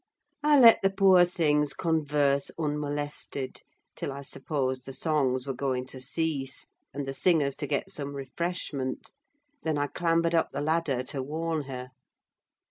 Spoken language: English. I let the poor things converse unmolested, till I supposed the songs were going to cease, and the singers to get some refreshment: then I clambered up the ladder to warn her.